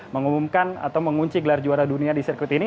mengumumkan atau mengunci gelar juara dunia di sirkuit ini